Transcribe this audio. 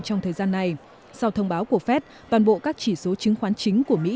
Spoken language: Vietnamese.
trong thời gian này sau thông báo của fed toàn bộ các chỉ số chứng khoán chính của mỹ